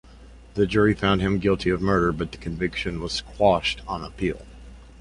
The jury found him guilty of murder, but the conviction was quashed on appeal.